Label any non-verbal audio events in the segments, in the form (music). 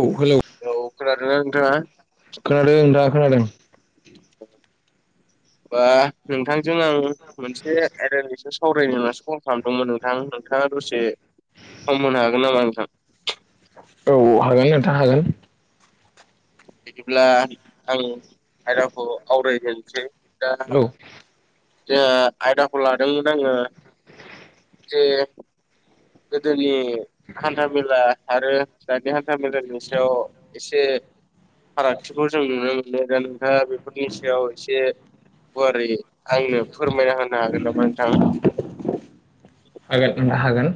औ हेलौ औ खोनादोंना नोंथाङा खोनादों दा खोनादों (inaudible) बा नोंथांजों आं मोनसे आयदैनि सायावसो सावरायनो होननासो कल खालामदोंमोन नोंथां नोंथाङा दसे सम होननो हागोन नामा नोंथां? औ हागोन नोंथाङ हागोन। बिदिब्ला आं आयदाखौ आवरायहोनसै हेल' जे आयदाखौ लादोंमोन आङो जे गोदोनि हान्थामेला आरो दानि हान्था मेलानि सायाव एसे फारागथिखौ जों नुनो मोनो दा नोंथाङा बेफोरनि सायाव एसे गुवारै आंनो फोरमायना होनो हागोन नामा नोंथां? हागोन नोंथां हागोन।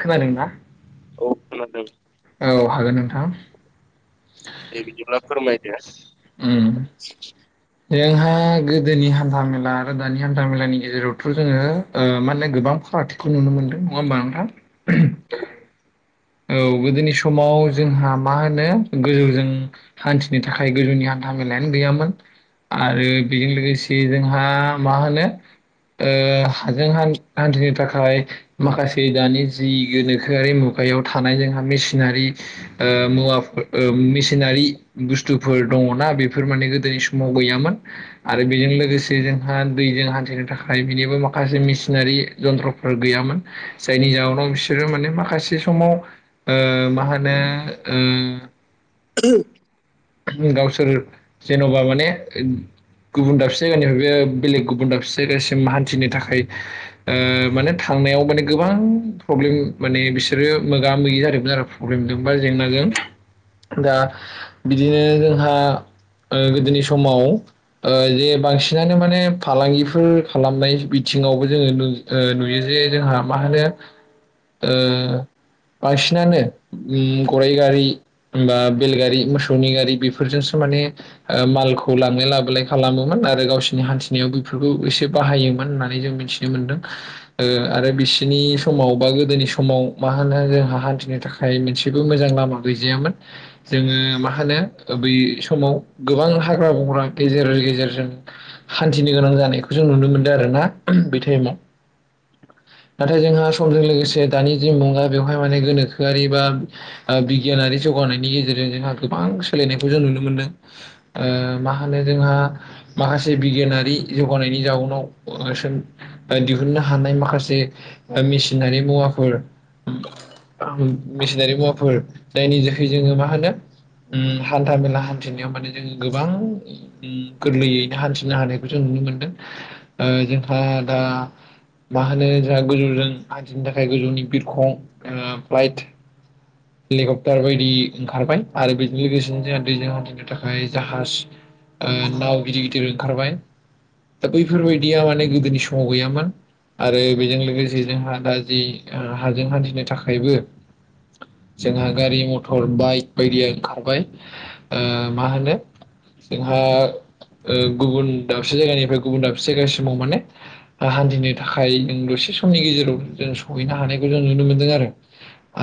खोनादोंना? औ खोनादों। औ हागोन नोंथां। दे बिदिब्ला फोरमायदो उम जोंहा गोदोनि हान्था मेला आरो दानि हान्था मेलानि गेजेरावथ' जोङो मा होनो गोबां फारागथिखौ नुनो मोनदों नङा होमबा नोंथां? औ औ गोदोनि समाव जोंहा मा होनो गोजौजों हान्थिनो थाखाय गोजौनि हानथामेलायानो गैयामोन आरो बेजों लोगोसे जोंहा मा होनो ओ हाजों हान्थिनो थाखाय माखासे दानि जि गोनोखोआरिमु आगायाव थानाय जोंहा मेसिनारि मुवा मेसिनारि बुस्थुफोर दं दङना बेफोर माने गोदोनि समाव गैयामोन आरो बेजों लोगोसे जोंहा दैजों हान्थिनो थाखाय बिनिबो माखासे मिसिनारि जन्थ्रफोर गैयामोन जायनि जाहोनाव बिसोरो माने माखासे से समाव ओ मा होनो (inaudible) गावसोर जेन'बा माने गुबुन दाबसे जायगानिफ्राय बे बेलेग गुबुन दाबसे जायगासिम हान्थिनो थाखाय माने थांनायाव माने गोबां प्रब्लेम माने बिसोरो मोगा मोगि जादोंमोन आरो प्रब्लेमजों बा जेंनाजों दा बिदिनो जोंहा गोदोनि समाव जे बांसिनानो माने फालांगिफोर खालामनाय बिथिं सिङावबो जोङो नुयो जे जोंहा मा होनो बांसिनानो गराइ गारि बा बेलगारि मोस नि गारि बेफोरजोंसो माने मालखौ लांलाय लाबोलाय खालामोमोन आरो गावसिोरनि हान्थिनायाव एसे बाहायोमोन होननानै जों मिथिनो मोनदों आरो बिसिनि समाव बा गोदोनि सम समाव मा होनो जोंहा हान्थिनो थाखाय मोनसेबो मोजां लामा गैजायामोन जोङो म बै समाव गोबां हाग्रा बंग्रा गेजेर गेजेरजों हान्थिनो गोनां जानायखौ जों नुनो मोनदों आरोना बे टाइमाव (inaudible) नाथाय जोंहा समजों लोगोसे दानि जे मुगा बेवहाय माने गोनोखोआरि बा बिगियानारि जौगानायनि गेजेरजों जोंहा गोबां सोलायनायखौ जों नुनो मोनदों मा होनो जोंहा माखासे बिगियानारि जौगानायनि जाउनाव दिहुननो हानाय माखासे मेसिनारि मुवाफोर मेसिनारि मुवाफोर जायनि जोहै जोङो मा होनो ओम हान्था मेला हान्थिनायाव माने जोङो गोबां ओम गोरलैयैनो हान्थिनो हानायखौ जों नुनो मोनदों, ओ जोंहा दा मा होनो जोंहा गोजौजों आथिनि थाखाय गोजौनि बिरखं ओ फ्लाइट हेलिकप्टार बायदि ओंखारबाय आरो बेजों लोगोसेनो जोंहा दैजों हान्थिनो थाखाय जाहाज ओ नाव गिदिर गिदिर ओंखारबाय दा बैफोरबायदिया माने गोदोनि समाव गैयामोन आरो बेजों लोगोसे जोंहा दा जि हाजों हान्थिनो थाखायबो जोंहा गारि मथर बाइक बायदिया ओंखारबाय। ओ मा होनो? जोंहा ओ गुबुन दाबसे जायगानिफ्राय गुबुन दाबसे जायगासिमाव माने हान्थिनो थाखायो दसे समनि गेजेराव जों सहैनो हानायखौ जों नुनो मोनदों आरो।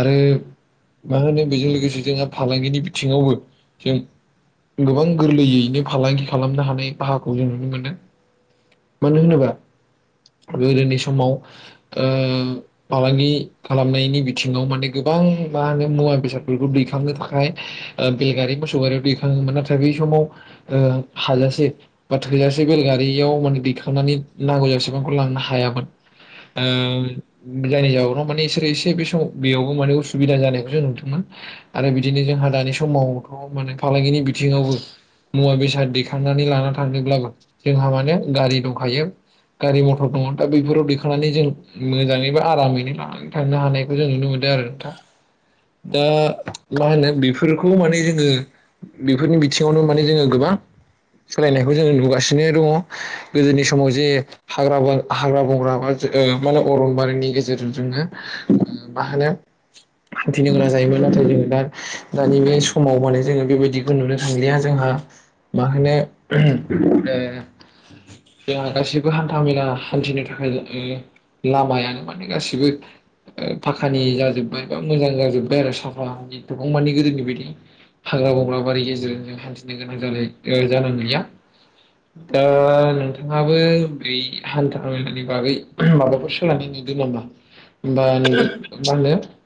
आरो मा होनो बेजों लोगोसे जोंहा फालांगिनि बिथिङावबो जों गोबां गोरलैयैनो फालांगि खालामनो हानाय राहाखौ जों नुनो मोनो। मानो होनोबा गोदोनि समाव ओ फालांगि खालामनायनि बिथिङाव माने गोबां मा होनो मुवा बेसादफोरखौ दैखांनो थाखाय ओ बेलगारि मोसौ गारियाव दैखाङोमोन नाथाय बै समाव ओ हाजासे बा थोजासे बेलगारियाव माने दैखांनानै नांगौ सेबांखौ लांनो हा यामोन । ओ जायनि जाउनाव इसोरो एसे बे समाव बेयावबो माने उ सुबिदा जानायखौ जों नुदोंमोन। आरो बिदिनो जोंहा दानि समावथ' माने फालांगिनि बिथिङावबो मुवा बेसाद दैखांनानै लाना थांदोंब्लाबो जोंहा माने गारि दंखायो। गारि मथर दङ दा बैफोराव दैखांनानै जों मोजाङै बा आरामैनो लानानै थांा (unintelligible) नो हानायखौ जों नुनो मोनो। दो आरो नोंथा (inaudible) दा मा होनो बेफोरखौ माने जोङो बेफोरनि बिथिङावनो माने जोङो गोबां सोलायनायखौ जोङो नुगासिनो दङ गोदोनि समाव जे हाग्रा हाग्रा बंग्रा बा ओ अरनबारिनि गेजेरजों जोङो मा होनो हान्थिनो गोनां जायोमोन नाथाय जोङो दा दानि बे समाव माने जोङो बेबायदिखौ नुनो थांलिया जोंहा मा होनो (inaudible) ओ जोंहा गासैबो हान्था मेला हान्थिनो थाखाय ओ लामायानो माने गासिबो ओ फाखानि जाजोबबाय मोजां जाजोब्बाय आरो साफाानि दबां मानि गोदोनि बायदि हाग्रा बंग्रा बारि गेजेरजोंनो हान थिनो (unintelligible) गैया दा नोंथाङाबो बै हान्था मेलानि बागै माबाफोर सोलानाय (unintelligible)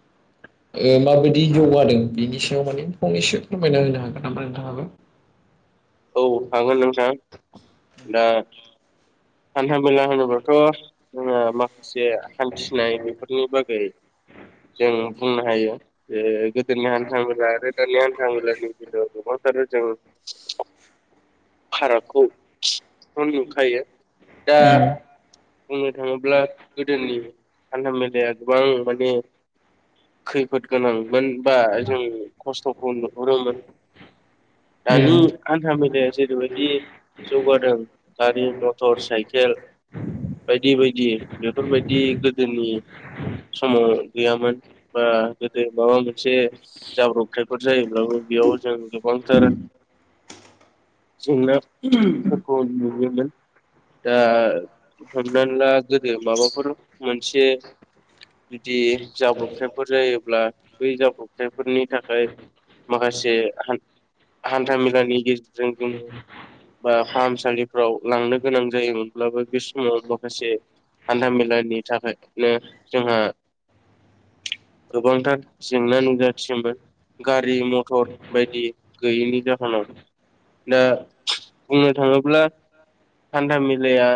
ओ माबायदि जौगादों बिनि सायाव माने फंनैसो फोरमायना होनो हागोन नामा नोंथाङाबो? औ हागोन नोंथां। दा हान्था मेला होनोब्लाथ' मा जोङो (inaudible) माखसे हान्थिनाय बेफोरनि बागै जों बुंनो हायो जे गोदोनि हान्था मेला आरो दानानि हान्था मेलानि बेल गोबां आरो जों (inaudible) फारागखौ नुखायो। दा उम बुंनो थाङोब्ला गोदोनि हान्था मे लाया गोबां माने खै फोद गोनांमोन बा जों खस्थ'खौ नुहुरोमोन। दानि उम हान्था मेलाया जेरैबायदि जौगादों गारि मथर साइकेल बायदि बायदि बेफोरबायदि गोदोनि समाव गैयामोन बा गोदो माबा मोनसे जाब्रबथायफोर जायोब्लाबो बेयाव जों गोबांथार जोंना (inaudible) फोरखौ नुयोमोन। दा हमनानै ला गोदो माबाफोर मोनसे जुदि जाब्रबथायफोर जायोब्ला बै जाब्रबथायफोरनि थाखाय माखासे हान्थामेलानि बा (unintelligible) फाहामसालिफोराव लांनो गोनां जायोमोनब्लाबो बे समाव माखासे हान्था मेलानि थाखायनो जोंहा गोबांथार जेंना नुजाथियोमोन गा रि मथर बायदि गैयैनि जाहोनाव दा बुंनो थाङोब्ला हान्था मेलाया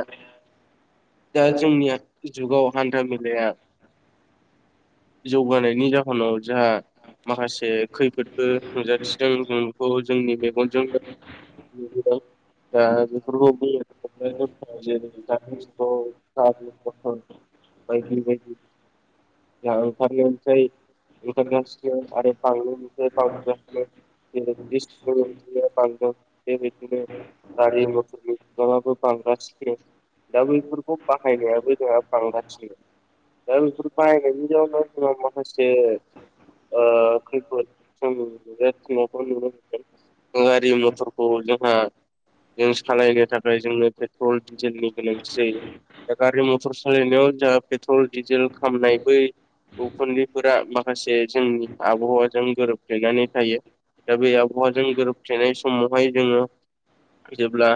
दा जोंनि जुगाव हान्था मेलाया जौगानायनि जाहोनाव जोंहा माखासे खैफोदबो नुजाथिदों नोंखौ जोंनि मेगनजोंनो नुदों (unintelligible) दा बेफोरखौ बुङोब्ला (unintelligible) (unintelligible) दानि जुगाव गारि मथर बायदि बायदि (unintelligible) (unintelligible) बां बेबायदिनो गारि मथरनि बिबांयाबो बांगासिनो । दा बैफोरखौ बाहायनायाबो जोंहा बांगासिनो । दा बेफोर बाहायनायनि जाहोनाव जोंहा माखासे ओ खैफोद जों (unintelligible) गारि मथरखौ जोंहा जों सालायनो थाखाय जोंनो पेट्रल डिजेलनि गोनांथि जायो । दा गारि मथर सालायनायाव जोंहा पेट्रल डिजेल खामनाय बै उखुन्दैफोरा माखा से जोंनि आबहावाजों गोरोबफ्लेनानै थायो दा बे आबहावाजों गोरोब फ्लेनाय समावहाय जोङो जेब्ला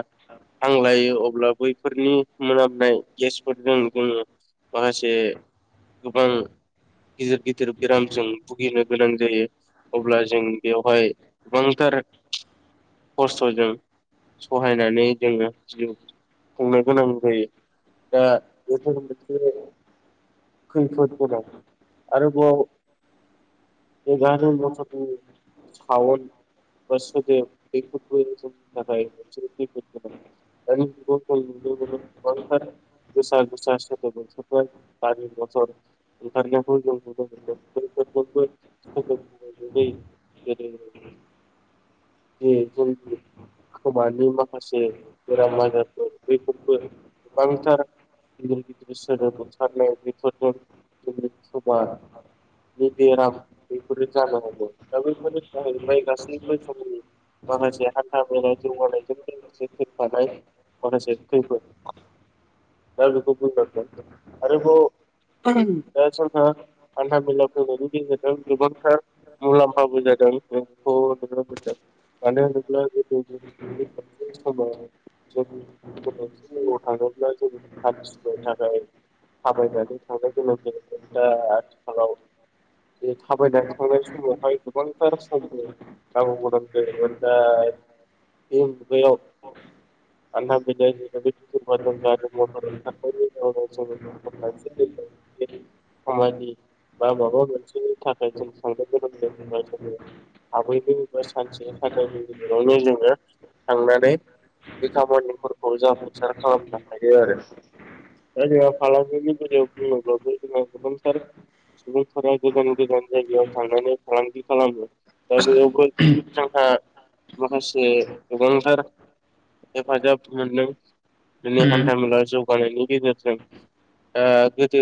हांलायो अब्ला बैफोरनि मोनामनाय गेसफोरजों जोङो माखासे गोबां गिदिर गिदिर बेरामजों भुगिनो गोनां जायो । अब्ला जों बेवहाय गोबांथार खस्थ'जों सहायनानै जोङो जिउ खुंनो गोनां जायो । दा बेखौ मि खैफोद गोनां आरोबाव बे गारि मटरनि सावनद बा सोदोब बैफोरबो जोंनि थाखाय मोनसे खैफोद गोनां । दानि जुगाव जों गोबांथार गोसा गोसा सोदोब ओंखारबाय गारि मथर ओंखारनायखौ जों नुनो मोनदों । मोनबो सोदोब (unintelligible) जे जोंनि खोमानि माखासे बेराम आजारफोर बैफोरबो गोबांथार गिदिर गिदिर सोदोब ओंखारनाय बेफोरजों जोंनि खोमा बिदि बेराम बैफोर जानो हमो दा बैफोरनि थाखायनो ओमफाय गासैबो खामानि माखासे हान्जा मेलानि जौगानायजों लोगोसे फैफानाय माखासे खैफोद दा बेखौ (unintelligible) आरोब (unintelligible) दा जोंहा हान्था मेला फैनायनि गेजेरजों गोबांथार मुलाम्फाबो जादों जोंखौ नुनो मोनदों मानो होनोब्ला मोनसे समाव जों गोनांथि जायगाआव थाङोब्ला जों हान्थिनो थाखाय थाबायनानै थांनो गोनां दा आथिखालाव बे थाबायनानै थांनाय समावहाय गोबांथार सान्दुं (unintelligible) दा बे मुगायाव (unintelligible) खामानि बा माबा मोनसेनि थाखाय जों थांनो गोनांदों होना थाबैनो बा सानसे साननैनि गेजेरावनो जोङो थांनानै बि खामानिफोरखौ जाफुंसार खालामनो हायो आरो दा जोंहा फालांगिनि बेलायाव बुंनोब्लाबो जों गोबांथार सुबुं थानाय गोजान गोजान जायायाव थांनानै फालांगि खालामो दा बेयावबो जोंहा माखासे गोबांथार हेफाजाब मोनदों बिनि हान्था मेला जौगानायनि गेजेरजों ओ गोदो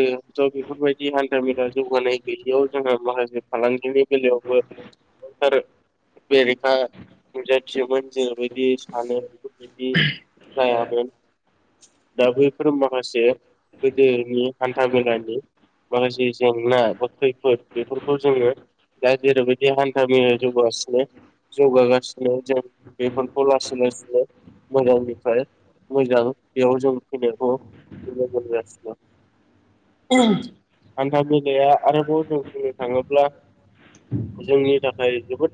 ज' बेफोरबायदि हान्था मेला जौगानाय गैयैयाव जोंहा माखासे फालांगिनि बेलायावबो गोबांथार बेरेखा नुजाथियोमोन जेरैबायदि सानो बेफोरबायदि जायागोन दा बैफोराव माखासे गोदोनि हान्था मेलानि माखासे जेंना बा खैफोद बेफोरखौ जोङो दा जेरैबायदि हान्था मे जौगा ने जौगागासिनो जों बेफोरखौ लासैनो लासैनो मोजांनिफ्राय मोजां बेयाव जों फैनायखौ नुनो मोनगासिनो हान्था मेलाया आरोबाव जों बुंनो थाङोब्ला जोंनि थाखाय जोबोद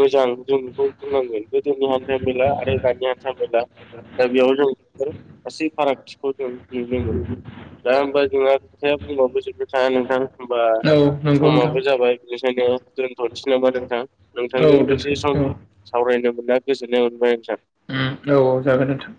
मोजां जों बेखौ बुंनांगोन गोदोनि हान्थ मेला आरो दानि हान्था मेला दा बेयाव जों गासै फारागथिखौ जों नुनो मोनो दा होमबा जोंहा खोथाया बुंबाबो जोबनो थाङा नोंथां होमबा औ नंगौ नोंथां समाबो जाबाय बेखायनो दोनथ'नोसै नामा नोंथां औ नोंथांजों दोनथ' दसे सम औ सावरायनो मोनना गोजोननाय मोनबाय नोंथां उम औ जागोन नोंथां